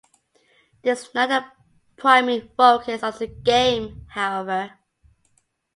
This is not the primary focus of the game however.